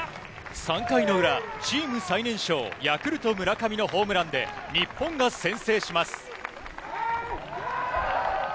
３回の裏、チーム最年少、ヤクルト・村上のホームランで日本が先制します。